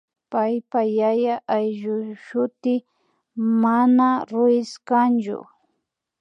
paypa yaya ayllushuti mana Ruíz kanchu